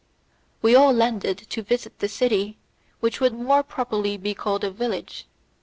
We all landed to visit the city, which would more properly be called a village.